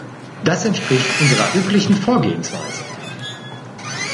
Das entspricht unserer üblichen Vorgehensweise.